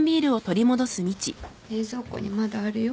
冷蔵庫にまだあるよ。